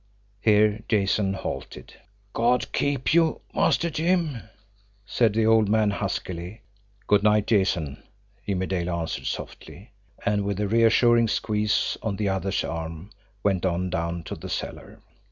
Here Jason halted. "God keep you, Master Jim!" said the old man huskily. "Good night, Jason," Jimmie Dale answered softly; and, with a reassuring squeeze on the other's arm, went on down to the cellar.